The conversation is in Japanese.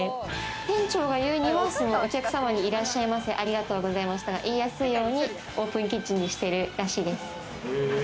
店長が言うには、お客様にいらっしゃいませ、ありがとうございましたが、言いやすいようにオープンキッチンにしてるらしいです。